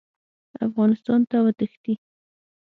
افغانستان ته وتښتي.